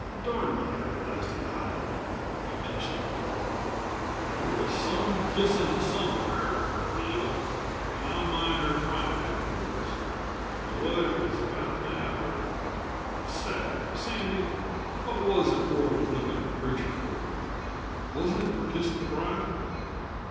"Darn my everlastin' hide," he finished lamely, "there was some kissin' somew'ere in the deal, and I mind her cryin' afterwards, but whether it was about that, or Say, Sandy, what was it Ford was lickin' the preacher for? Wasn't it for kissin' the bride?"